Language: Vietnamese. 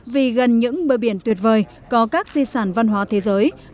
vì gần những bờ biển tuyệt vời có các di sản văn hóa thế giới